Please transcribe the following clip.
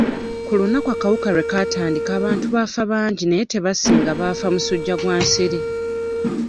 Ku lunaku akawuka lwe kaatandika abantu baafa bangi naye tebaasinga baafa musujja gwa nsiri.